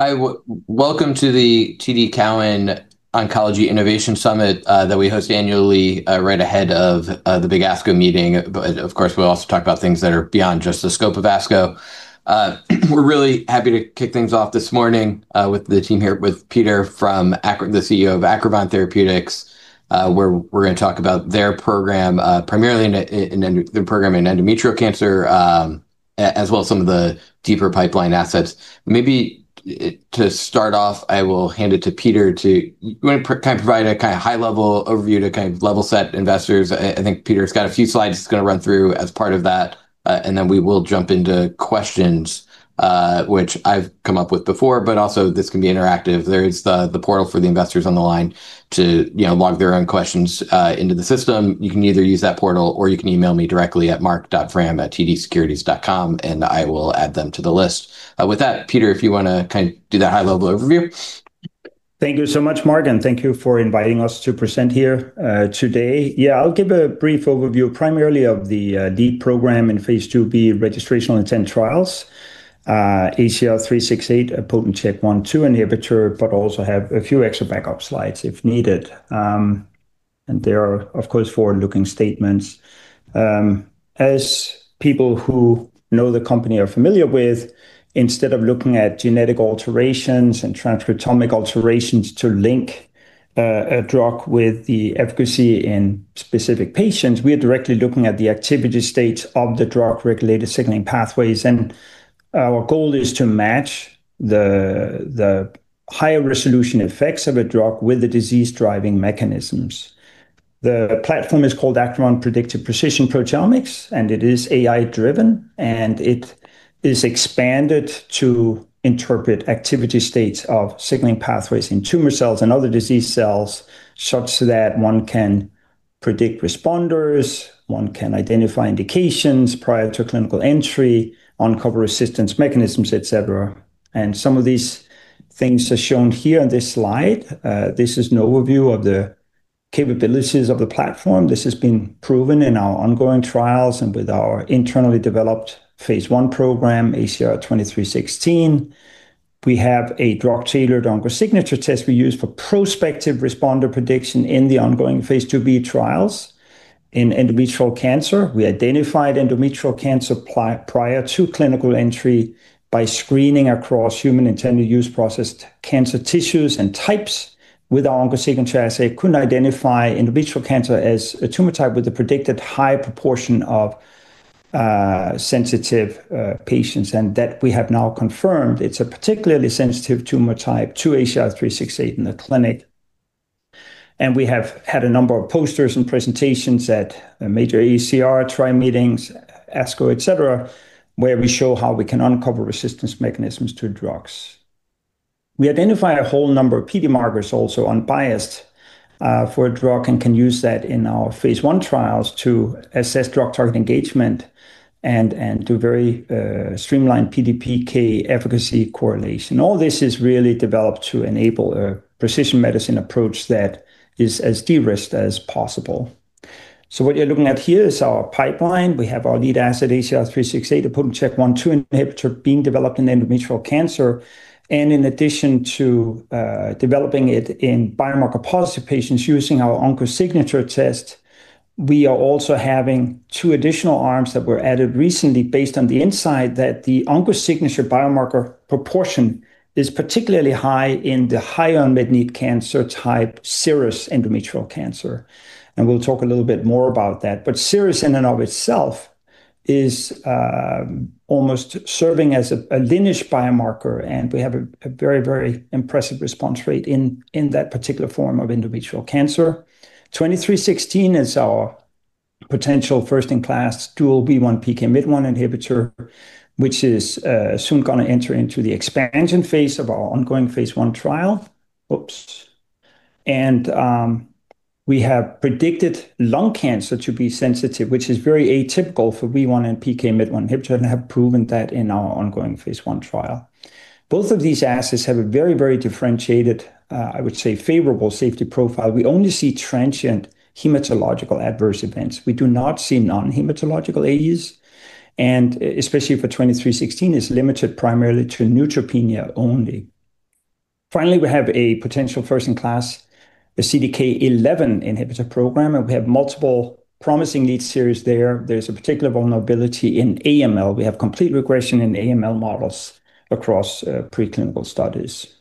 Hi. Welcome to the TD Cowen Oncology Innovation Summit that we host annually right ahead of the big ASCO meeting. Of course, we also talk about things that are beyond just the scope of ASCO. We're really happy to kick things off this morning with the team here, with Peter, the CEO of Acrivon Therapeutics, where we're going to talk about their program, primarily the program in endometrial cancer, as well as some of the deeper pipeline assets. Maybe to start off, I will hand it to Peter to provide a high-level overview to level-set investors. I think Peter's got a few slides he's going to run through as part of that, and then we will jump into questions, which I've come up with before, but also this can be interactive. There's the portal for the investors on the line to log their own questions into the system. You can either use that portal or you can email me directly at marc.frahm@tdsecurities.com, and I will add them to the list. With that, Peter, if you want to do the high-level overview. Thank you so much, Marc, and thank you for inviting us to present here today. I'll give a brief overview, primarily of the lead program in phase II-B registration intent trials, ACR-368, a CHK1/2 inhibitor, but also have a few extra backup slides if needed. There are, of course, forward-looking statements. As people who know the company are familiar with, instead of looking at genetic alterations and transcriptomic alterations to link a drug with the efficacy in specific patients, we are directly looking at the activity states of the drug-regulated signaling pathways, and our goal is to match the higher-resolution effects of a drug with the disease-driving mechanisms. The platform is called Acrivon Predictive Precision Proteomics, and it is AI-driven, and it is expanded to interpret activity states of signaling pathways in tumor cells and other disease cells such so that one can predict responders, one can identify indications prior to clinical entry, uncover resistance mechanisms, et cetera. Some of these things are shown here on this slide. This is an overview of the capabilities of the platform. This has been proven in our ongoing trials and with our internally developed phase I program, ACR-2316. We have an OncoSignature test we use for prospective responder prediction in the ongoing phase II-B trials. In endometrial cancer, we identified endometrial cancer prior to clinical entry by screening across human intended use processed cancer tissues and types with our OncoSignature assay, could identify endometrial cancer as a tumor type with a predicted high proportion of sensitive patients, and that we have now confirmed it's a particularly sensitive tumor type to ACR-368 in the clinic. We have had a number of posters and presentations at major AACR, TRIO meetings, ASCO, et cetera, where we show how we can uncover resistance mechanisms to drugs. We identify a whole number of PD markers also unbiased for a drug and can use that in our phase I trials to assess drug target engagement and do very streamlined PD/PK efficacy correlation. All this is really developed to enable a precision medicine approach that is as de-risked as possible. What you're looking at here is our pipeline. We have our lead asset, ACR-368, a CHK1/2 inhibitor being developed in endometrial cancer. In addition to developing it in biomarker-positive patients using our OncoSignature test, we are also having two additional arms that were added recently based on the insight that the OncoSignature biomarker proportion is particularly high in the high-unmet-need cancer type serous endometrial cancer. We'll talk a little bit more about that. Serous in and of itself is almost serving as a lineage biomarker, and we have a very impressive response rate in that particular form of endometrial cancer. ACR-2316 is our potential first-in-class dual WEE1/PKMYT1 inhibitor, which is soon going to enter into the expansion phase of our ongoing phase I trial. Oops. We have predicted lung cancer to be sensitive, which is very atypical for WEE1 and PKMYT1 inhibitors and have proven that in our ongoing phase I trial. Both of these assets have a very differentiated, I would say, favorable safety profile. We only see transient hematological adverse events. We do not see non-hematological AEs, and especially for ACR-2316, it's limited primarily to neutropenia only. Finally, we have a potential first-in-class CDK11 inhibitor program, and we have multiple promising lead series there. There's a particular vulnerability in AML. We have complete regression in AML models across preclinical studies.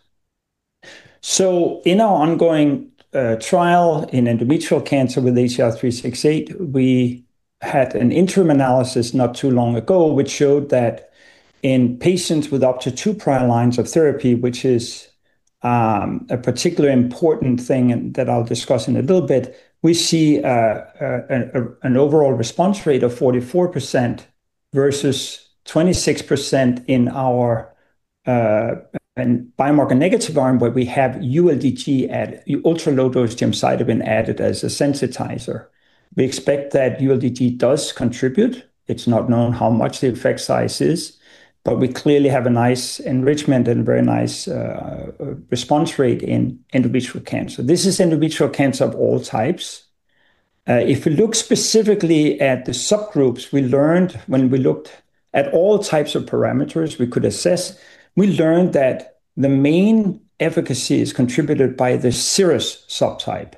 In our ongoing trial in endometrial cancer with ACR-368, we had an interim analysis not too long ago, which showed that in patients with up to two prior lines of therapy, which is a particularly important thing that I'll discuss in a little bit, we see an overall response rate of 44% versus 26% in our biomarker negative arm, where we have ULDG added, ultralow-dose gemcitabine added as a sensitizer. We expect that ULDG does contribute. It's not known how much the effect size is. We clearly have a nice enrichment and a very nice response rate in endometrial cancer. This is endometrial cancer of all types. If you look specifically at the subgroups, we learned when we looked at all types of parameters we could assess, we learned that the main efficacy is contributed by the serous subtype.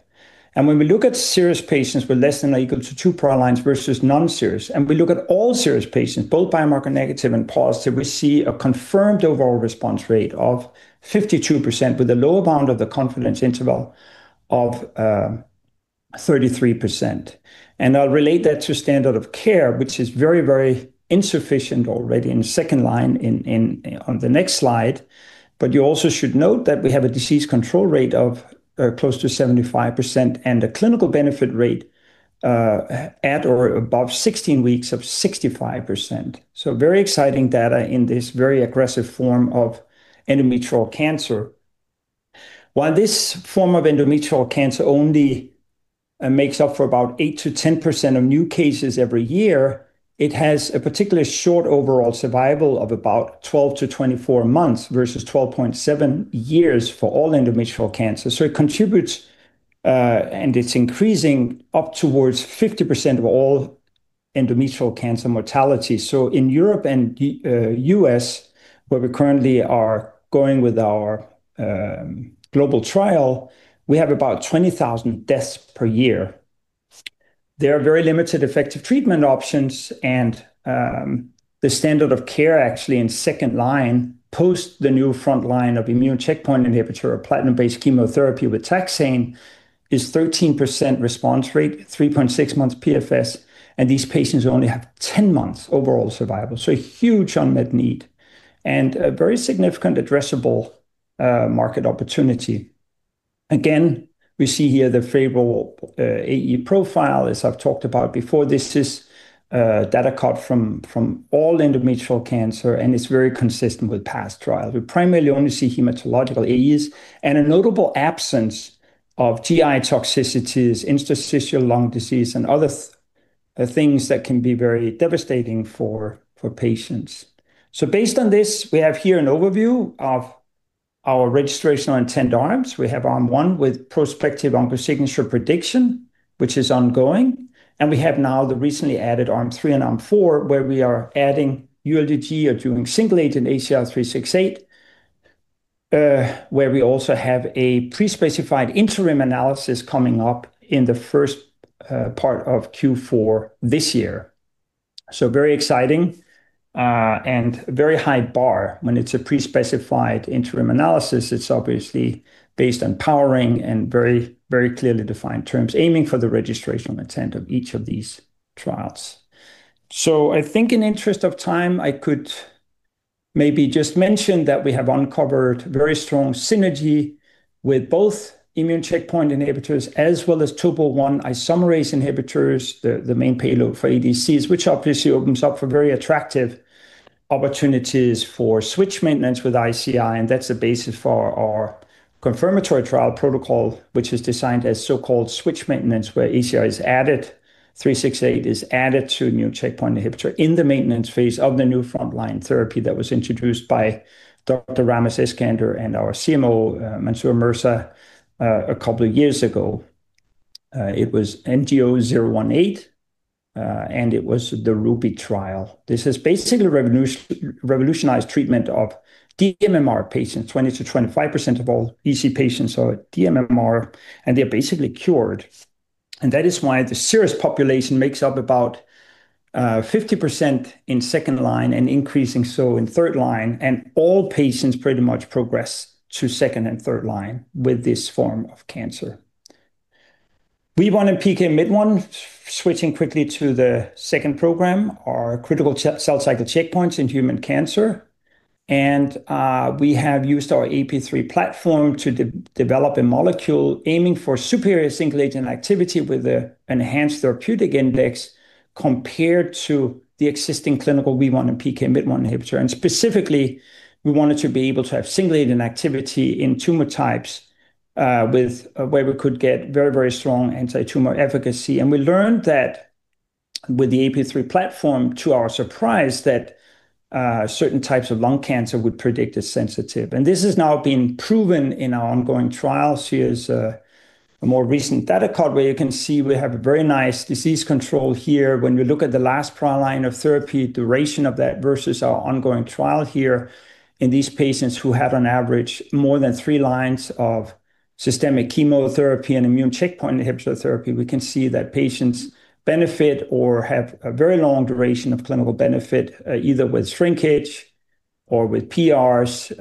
When we look at serous patients with less than or equal to two prior lines versus non-serous, and we look at all serous patients, both biomarker negative and positive, we see a confirmed overall response rate of 52% with a lower bound of the confidence interval of 33%. I'll relate that to standard of care, which is very, very insufficient already in the second line on the next slide. You also should note that we have a disease control rate of close to 75% and a clinical benefit rate at or above 16 weeks of 65%. Very exciting data in this very aggressive form of endometrial cancer. While this form of endometrial cancer only makes up for about 8%-10% of new cases every year, it has a particularly short overall survival of about 12-24 months versus 12.7 years for all endometrial cancer. It contributes, and it's increasing up towards 50% of all endometrial cancer mortality. In Europe and U.S., where we currently are going with our global trial, we have about 20,000 deaths per year. There are very limited effective treatment options, and the standard of care actually in second line post the new front line of immune checkpoint inhibitor, a platinum-based chemotherapy with taxane is 13% response rate, 3.6 months PFS, and these patients only have 10 months overall survival. Huge unmet need and a very significant addressable market opportunity. Again, we see here the favorable AE profile, as I've talked about before. This is data cut from all endometrial cancer, and it's very consistent with past trials. We primarily only see hematological AEs and a notable absence of GI toxicities, interstitial lung disease, and other things that can be very devastating for patients. Based on this, we have here an overview of our registration intent arms. We have arm one with prospective OncoSignature prediction, which is ongoing, and we have now the recently added arm three and arm four, where we are adding ULDG or doing single-agent ACR-368, where we also have a pre-specified interim analysis coming up in the first part of Q4 this year. Very exciting and a very high bar. When it's a pre-specified interim analysis, it's obviously based on powering and very clearly defined terms aiming for the registration intent of each of these trials. I think in the interest of time, I could maybe just mention that we have uncovered very strong synergy with both immune checkpoint inhibitors as well as TOPO1 isomerase inhibitors, the main payload for ADCs, which obviously opens up very attractive opportunities for switch maintenance with ICI, and that's the basis for our confirmatory trial protocol, which is designed as so-called switch maintenance, where ICI is added, 368 is added to immune checkpoint inhibitor in the maintenance phase of the new frontline therapy that was introduced by Dr. Ramez Eskander and our CMO, Mansoor Raza Mirza, a couple of years ago. It was ENGOT-EN6, it was the RUBY trial. This has basically revolutionized treatment of dMMR patients, 20%-25% of all EC patients are dMMR, they're basically cured. That is why the serous population makes up about 50% in second line and increasing so in third line, and all patients pretty much progress to second and third line with this form of cancer. WEE1 and PKMYT1, switching quickly to the second program, are critical cell cycle checkpoints in human cancer. We have used our AP3 platform to develop a molecule aiming for superior single-agent activity with an enhanced therapeutic index compared to the existing clinical WEE1 and PKMYT1 inhibitor. Specifically, we wanted to be able to have single-agent activity in tumor types where we could get very, very strong anti-tumor efficacy. We learned that with the AP3 platform, to our surprise, that certain types of lung cancer were predicted sensitive. This has now been proven in our ongoing trials. Here's a more recent data cut where you can see we have a very nice disease control here. When we look at the last prior line of therapy, duration of that versus our ongoing trial here in these patients who had on average more than three lines of systemic chemotherapy and immune checkpoint inhibitor therapy, we can see that patients benefit or have a very long duration of clinical benefit, either with shrinkage or with PRs.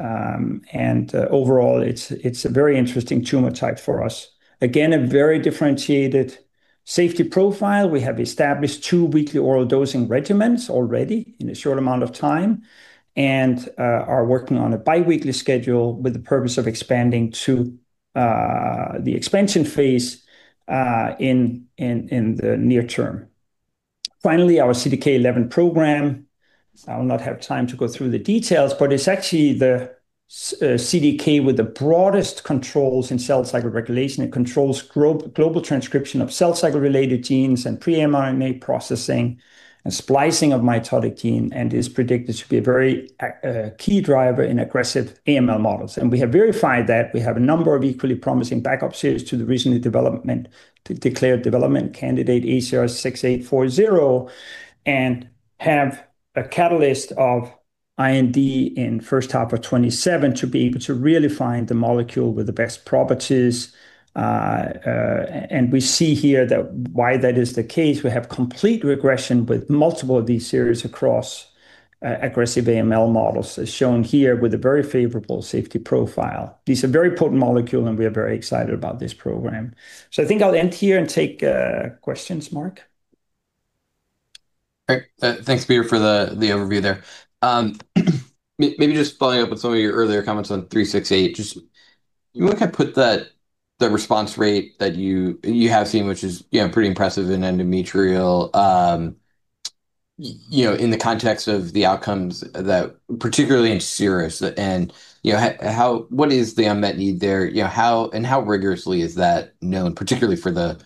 Overall, it's a very interesting tumor type for us. Again, a very differentiated safety profile. We have established two weekly oral dosing regimens already in a short amount of time and are working on a biweekly schedule with the purpose of expanding to the expansion phase in the near term. Finally, our CDK11 program. I will not have time to go through the details, but it's actually the CDK with the broadest controls in cell cycle regulation. It controls global transcription of cell cycle-related genes and pre-mRNA processing and splicing of mitotic gene, and is predicted to be a very key driver in aggressive AML models. We have verified that we have a number of equally promising backup series to the recently declared development candidate, ACR-6840, and have a catalyst of IND in first half of 2027 to be able to really find the molecule with the best properties. We see here why that is the case. We have complete regression with multiple of these series across aggressive AML models, as shown here with a very favorable safety profile. It's a very potent molecule, and we are very excited about this program. I think I'll end here and take questions, Marc. Great. Thanks, Peter, for the overview there. Maybe just follow up with some of your earlier comments on 368. You want to put the response rate that you have seen, which is pretty impressive in endometrial, in the context of the outcomes that, particularly in serous and what is the unmet need there, and how rigorously is that known, particularly for the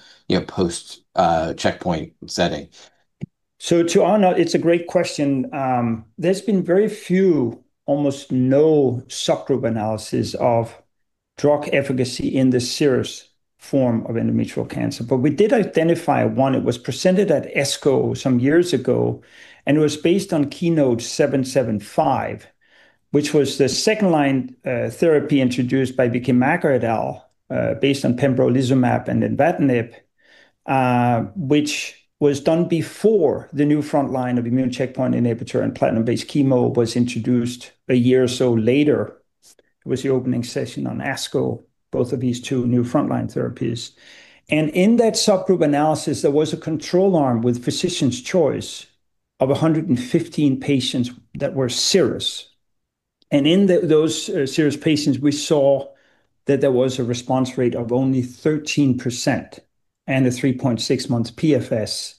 post-checkpoint setting? [To Arnold], it's a great question. There's been very few, almost no subgroup analysis of drug efficacy in the serous form of endometrial cancer. We did identify one, it was presented at ASCO some years ago, and it was based on KEYNOTE-775, which was the second-line therapy introduced by Vicky Makker, based on pembrolizumab and nivolumab, which was done before the new frontline of immune checkpoint inhibitor and platinum-based chemo was introduced a year or so later. It was the opening session on ASCO, both of these two new frontline therapies. In that subgroup analysis, there was a control arm with physician's choice of 115 patients that were serous. In those serous patients, we saw that there was a response rate of only 13% and a 3.6 months PFS,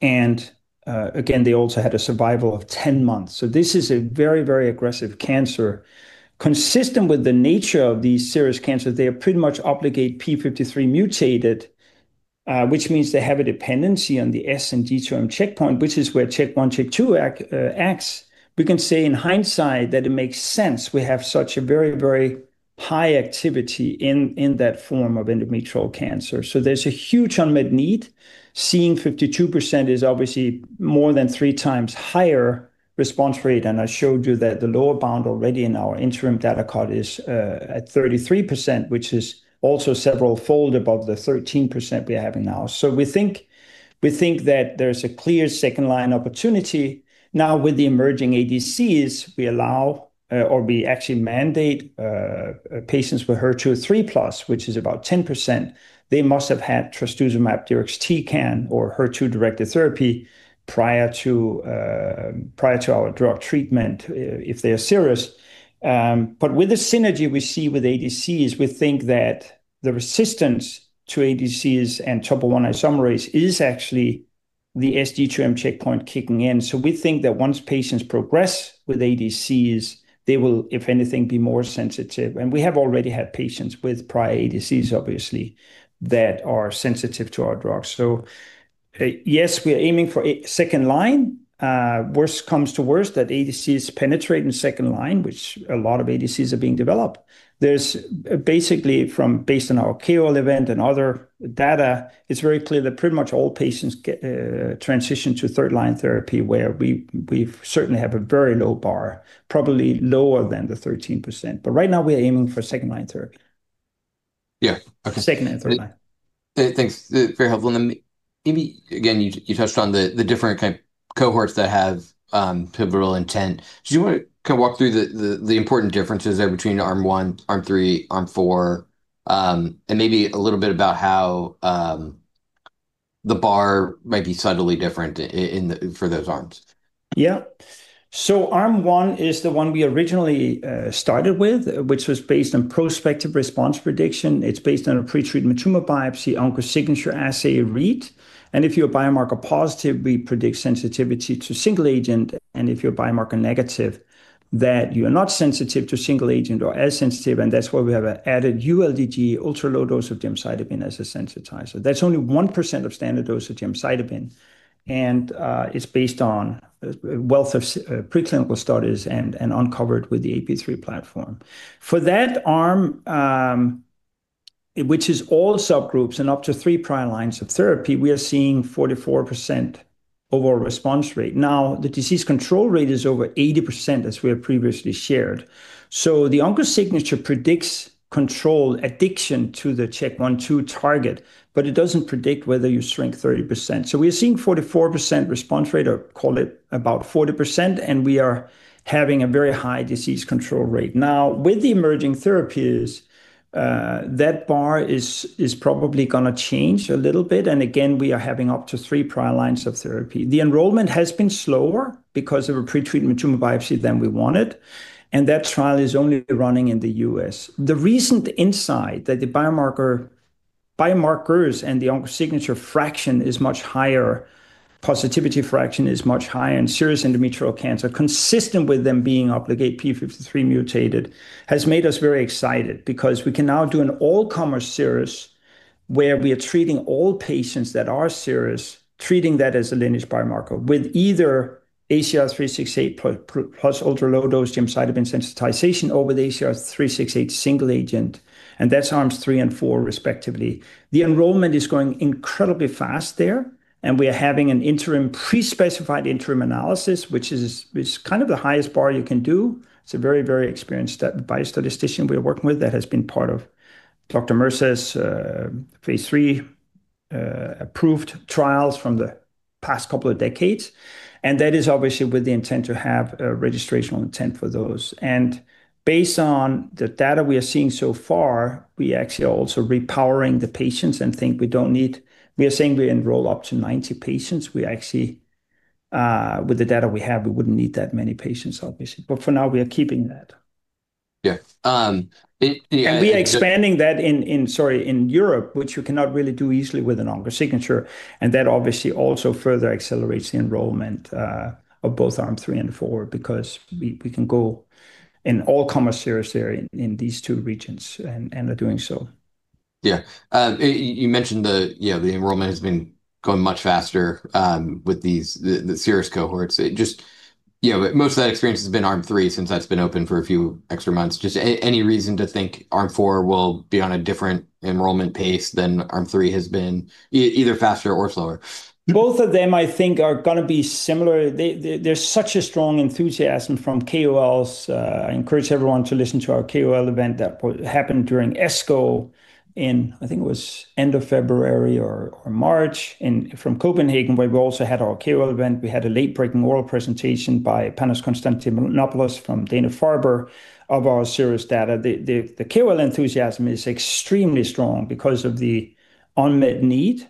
and again, they also had a survival of 10 months. This is a very aggressive cancer. Consistent with the nature of these serous cancers, they are pretty much obligate P53 mutated, which means they have a dependency on the S and G2/M checkpoint, which is where CHK1/CHK2 acts. We can say in hindsight that it makes sense we have such a very high activity in that form of endometrial cancer. There's a huge unmet need. Seeing 52% is obviously more than 3x higher response rate, and I showed you that the lower bound already in our interim data cut is at 33%, which is also severalfold above the 13% we're having now. We think that there's a clear second-line opportunity. Now with the emerging ADCs, we allow or we actually mandate patients with HER2 3+, which is about 10%. They must have had trastuzumab deruxtecan or HER2-directed therapy prior to our drug treatment if they are serous. With the synergy we see with ADCs, we think that the resistance to ADCs and triple-negative tumors is actually the G2/M checkpoint kicking in. We think that once patients progress with ADCs, they will, if anything, be more sensitive. We have already had patients with prior ADCs, obviously, that are sensitive to our drugs. Yes, we are aiming for second line. Worse comes to worse, that ADCs penetrate in second line, which a lot of ADCs are being developed. There's basically based on our KOL event and other data, it's very clear that pretty much all patients transition to third-line therapy, where we certainly have a very low bar, probably lower than the 13%. Right now we are aiming for second-line therapy. Yeah. Second and third line. Thanks. Very helpful. Maybe, again, you touched on the different kind of cohorts that have pivotal intent. Do you want to walk through the important differences there between arm one, arm three, arm four, and maybe a little bit about how the bar might be subtly different for those arms? Yeah. Arm one is the one we originally started with, which was based on prospective response prediction. It's based on a pretreatment tumor biopsy, OncoSignature assay read. If you're biomarker positive, we predict sensitivity to single agent, and if you're biomarker negative, that you're not sensitive to single agent or as sensitive, and that's why we have an added ULDG, ultra-low dose of gemcitabine as a sensitizer. That's only 1% of standard dose of gemcitabine, and it's based on a wealth of preclinical studies and uncovered with the AP3 platform. For that arm, which is all subgroups and up to three prior lines of therapy, we are seeing 44% overall response rate. The disease control rate is over 80%, as we have previously shared. The OncoSignature predicts control addiction to the CHK1/2 target, but it doesn't predict whether you shrink 30%. We're seeing 44% response rate, or call it about 40%, and we are having a very high disease control rate. Now, with the emerging therapies, that bar is probably going to change a little bit. Again, we are having up to three prior lines of therapy. The enrollment has been slower because of a pretreatment tumor biopsy than we wanted, and that trial is only running in the U.S. The recent insight that the biomarkers and the OncoSignature fraction is much higher, positivity fraction is much higher in serous endometrial cancer, consistent with them being up against P53 mutated, has made us very excited because we can now do an all-comer serous where we are treating all patients that are serous, treating that as a lineage biomarker with either ACR-368 plus ultra-low-dose gemcitabine sensitization over the ACR-368 single agent, and that's arms three and four respectively. The enrollment is going incredibly fast there. We are having an interim pre-specified interim analysis, which is the highest bar you can do. It's a very, very experienced biostatistician we're working with that has been part of Dr. Mirza's phase III approved trials from the past couple of decades, and that is obviously with the intent to have a registrational intent for those. Based on the data we are seeing so far, we actually are also repowering the patients. We are saying we enroll up to 90 patients. We actually, with the data we have, we wouldn't need that many patients, obviously, but for now, we are keeping that. Yes. We are expanding that in, sorry, in Europe, which you cannot really do easily with an OncoSignature, and that obviously also further accelerates the enrollment of both arm three and four because we can go in all comer serous there in these two regions and are doing so. Yeah. You mentioned the enrollment has been going much faster with the serous cohorts. Most of that experience has been arm three since that's been open for a few extra months. Just any reason to think arm four will be on a different enrollment pace than arm three has been, either faster or slower? Both of them, I think, are going to be similar. There's such a strong enthusiasm from KOLs. I encourage everyone to listen to our KOL event that happened during ASCO in, I think it was end of February or March, and from Copenhagen, where we also had our KOL event. We had a late-breaking oral presentation by Panagiotis Konstantinopoulos from Dana-Farber of our serous data. The KOL enthusiasm is extremely strong because of the unmet need,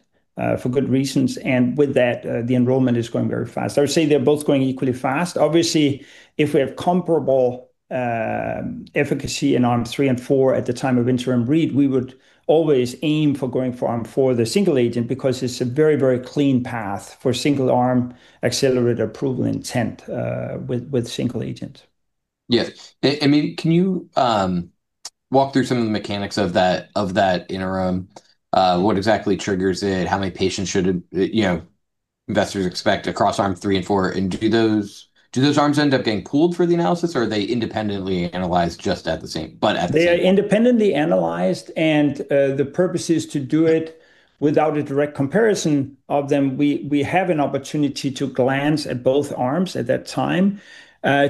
for good reasons, and with that, the enrollment is going very fast. I'd say they're both going equally fast. Obviously, if we have comparable efficacy in arms three and four at the time of interim read, we would always aim for going for arm four, the single agent, because it's a very, very clean path for single-arm accelerated approval intent with single agent. Yes. Can you walk through some of the mechanics of that interim? What exactly triggers it? How many patients should investors expect across arm three and four? Do those arms end up being pooled for the analysis, or are they independently analyzed just at the same time? They are independently analyzed, and the purpose is to do it without a direct comparison of them. We have an opportunity to glance at both arms at that time.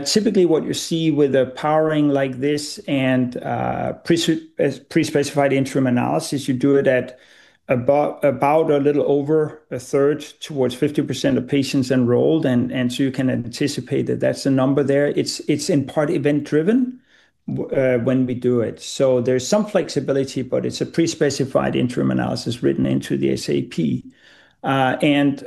Typically, what you see with a powering like this and a pre-specified interim analysis, you do it at about a little over a third towards 50% of patients enrolled, you can anticipate that that's a number there. It's in part event-driven when we do it. There's some flexibility, but it's a pre-specified interim analysis written into the SAP. As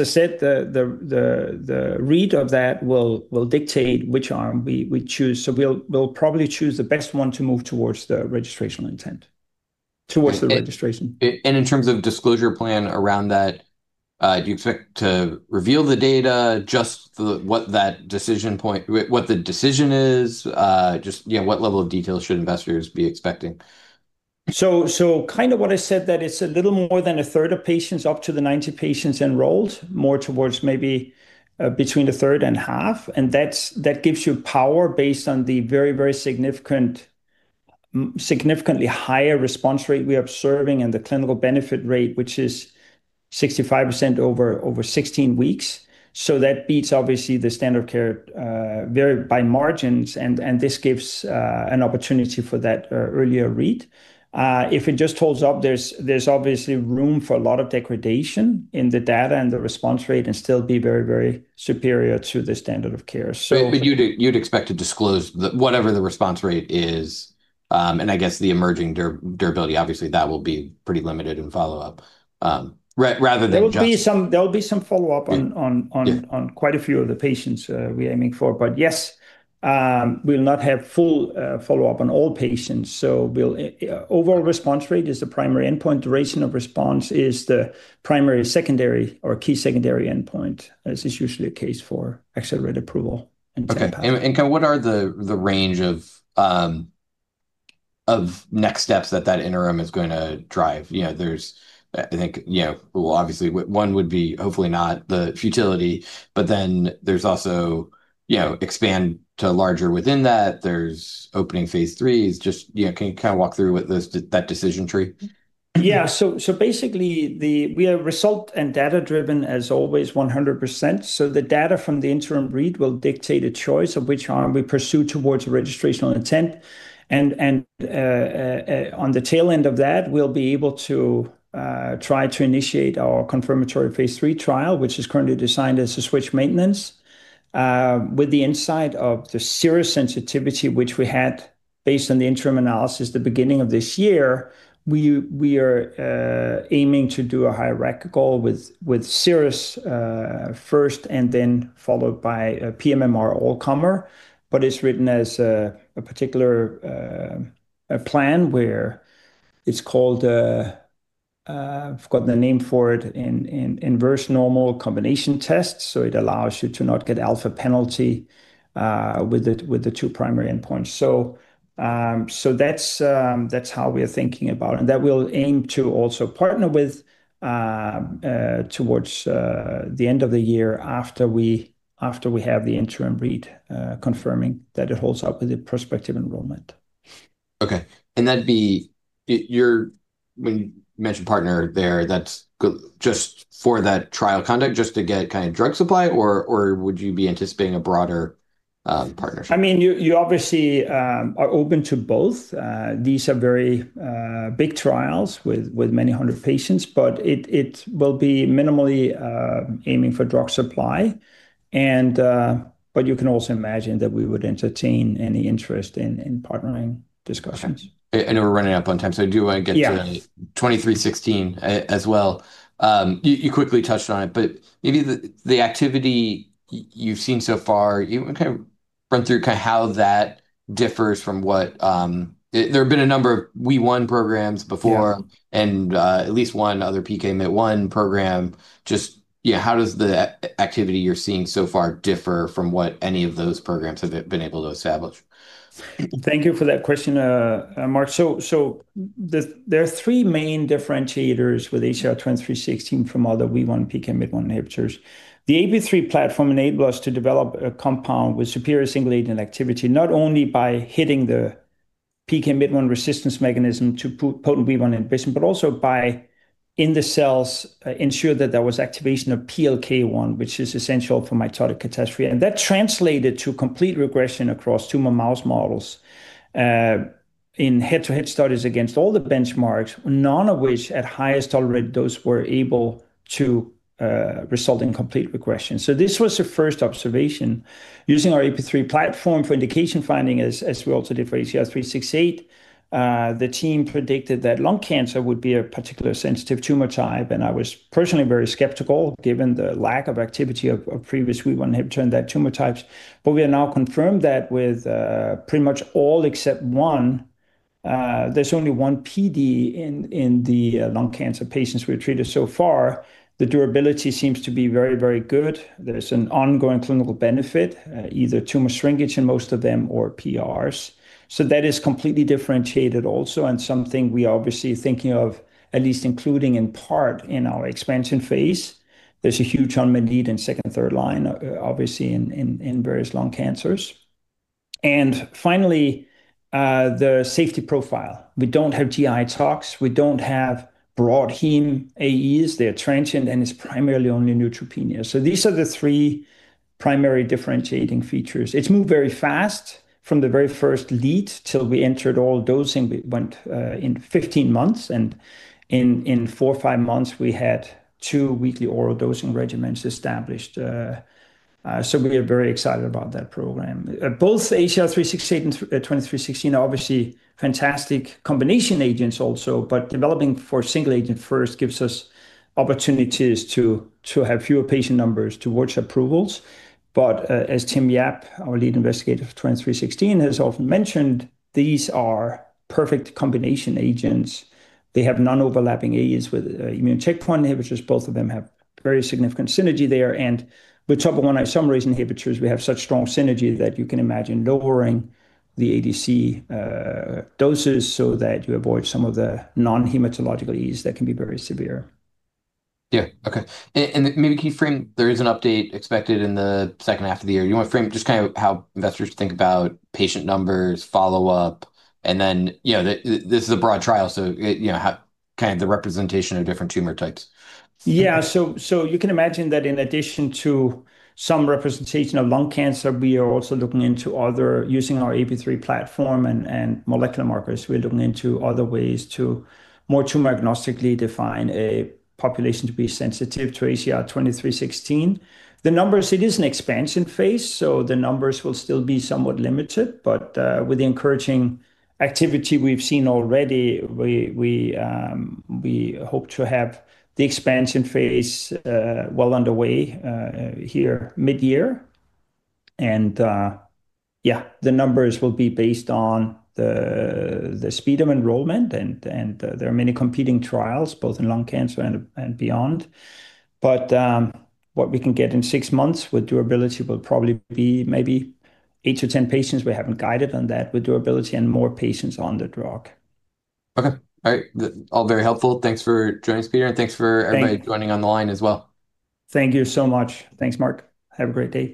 I said, the read of that will dictate which arm we choose. We'll probably choose the best one to move towards the registrational intent, towards the registration. In terms of disclosure plan around that, do you expect to reveal the data, just what the decision is? Just what level of detail should investors be expecting? What I said, that it's a little more than a third of patients up to the 90 patients enrolled, more towards maybe between a third and half, and that gives you power based on the very, very significantly higher response rate we are observing and the clinical benefit rate, which is 65% over 16 weeks. That beats obviously the standard of care by margins, and this gives an opportunity for that earlier read. If it just holds up, there's obviously room for a lot of degradation in the data and the response rate and still be very, very superior to the standard of care. You'd expect to disclose whatever the response rate is, and I guess the emerging durability, obviously, that will be pretty limited in follow-up. There'll be some follow-up. Yeah on quite a few of the patients we are aiming for. Yes, we'll not have full follow-up on all patients. Overall response rate is the primary endpoint. Duration of response is the primary or key secondary endpoint, as is usually the case for accelerated approval intent. Okay. What are the range of next steps that that interim is going to drive? I think, obviously, one would be hopefully not the futility, but then there's also expand to larger within that, there's opening phase III. Just can you walk through what that decision tree? Basically, we are result and data-driven as always 100%. The data from the interim read will dictate a choice of which arm we pursue towards registrational intent. On the tail end of that, we'll be able to try to initiate our confirmatory phase III trial, which is currently designed as a switch maintenance. With the insight of the serous sensitivity, which we had based on the interim analysis at the beginning of this year, we are aiming to do a hierarchical with serous first and then followed by a pMMR all-comer. It's written as a particular plan where it's called, I've got the name for it, inverse normal combination test, so it allows you to not get alpha penalty with the two primary endpoints. That's how we are thinking about, and that we'll aim to also partner with towards the end of the year after we have the interim read, confirming that it holds up with the prospective enrollment. Okay. When you mentioned partner there, that's just for that trial conduct just to get drug supply, or would you be anticipating a broader partnership? You obviously are open to both. These are very big trials with many hundred patients, but it will be minimally aiming for drug supply. You can also imagine that we would entertain any interest in partnering discussions. I know we're running up on time, I do want to get to. Yeah 2316 as well. You quickly touched on it, but maybe the activity you've seen so far, you can run through how that differs from what-- There have been a number of WEE1 programs before? Yeah At least one other PKMYT1 program. Just how does the activity you're seeing so far differ from what any of those programs have been able to establish? Thank you for that question, Marc. There are three main differentiators with ACR-2316 from other WEE1 PKMYT1 inhibitors. The AP3 platform enabled us to develop a compound with superior single agent activity, not only by hitting the PKMYT1 resistance mechanism to WEE1 inhibition, but also by, in the cells, ensure that there was activation of PLK1, which is essential for mitotic catastrophe. That translated to complete regression across tumor mouse models. In head-to-head studies against all the benchmarks, none of which at highest tolerate dose were able to result in complete regression. This was the first observation. Using our AP3 platform for indication finding, as we also did for ACR-368, the team predicted that lung cancer would be a particular sensitive tumor type, and I was personally very skeptical given the lack of activity of previous WEE1 inhibitor in that tumor types. We have now confirmed that with pretty much all except one. There's only one PD in the lung cancer patients we've treated so far. The durability seems to be very, very good. There's an ongoing clinical benefit, either tumor shrinkage in most of them or PRs. That is completely differentiated also, and something we are obviously thinking of at least including in part in our expansion phase. There's a huge unmet need in second and third line, obviously, in various lung cancers. Finally, the safety profile. We don't have GI tox, we don't have broad heme AEs. They're transient, and it's primarily only neutropenia. These are the three primary differentiating features. It's moved very fast from the very first lead till we entered all dosing. It went in 15 months, and in four or five months, we had two weekly oral dosing regimens established. We are very excited about that program. Both ACR-368 and 2316 are obviously fantastic combination agents also, developing for single agent first gives us opportunities to have fewer patient numbers to watch approvals. As Timothy A. Yap, our lead investigator for 2316, has often mentioned, these are perfect combination agents. They have non-overlapping AEs with immune checkpoint inhibitors. Both of them have very significant synergy there. With topoisomerase inhibitors, we have such strong synergy that you can imagine lowering the ADC doses so that you avoid some of the non-hematological AEs that can be very severe. Yeah. Okay. Maybe can you frame, there is an update expected in the second half of the year. You want to frame just how investors think about patient numbers, follow-up, and then this is a broad trial, so the representation of different tumor types. You can imagine that in addition to some representation of lung cancer, we are also looking into other, using our AP3 platform and molecular markers, we are looking into other ways to more tumor agnostically define a population to be sensitive to ACR-2316. The numbers, it is an expansion phase, so the numbers will still be somewhat limited, but with the encouraging activity we've seen already, we hope to have the expansion phase well underway here mid-year. The numbers will be based on the speed of enrollment and there are many competing trials both in lung cancer and beyond. What we can get in six months with durability will probably be maybe eight to 10 patients. We haven't guided on that, with durability and more patients on the drug. Okay. All right. All very helpful. Thanks for joining us, Peter, and thanks for everybody joining on the line as well. Thank you so much. Thanks, Marc. Have a great day.